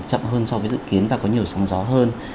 chậm hơn so với dự kiến và có nhiều sóng gió hơn